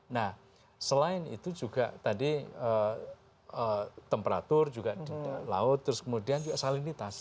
nah selain itu juga tadi temperatur juga di laut terus kemudian juga salinitas